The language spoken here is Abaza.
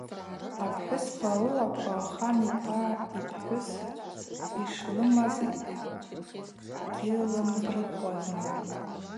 Апхӏвыспа лылаква хан йпа йпхӏвыс йшлымаз гьлымдырхуазма.